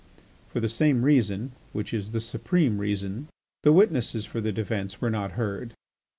For the same reason, which is the supreme reason, the witnesses for the defence were not heard.